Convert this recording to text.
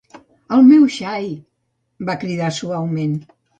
"El meu xai!" va cridar suaument.